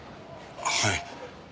はい。